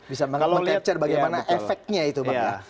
bisa mengecep bagaimana efeknya itu pak